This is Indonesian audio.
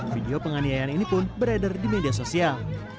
video penganiayaan ini pun beredar di media sosial